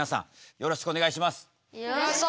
よろしくお願いします。